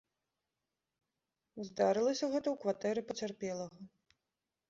Здарылася гэта ў кватэры пацярпелага.